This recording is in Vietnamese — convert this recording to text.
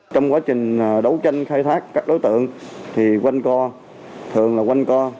trong quá trình đấu tranh khai thác các đối tượng thì quanh co thường là quanh co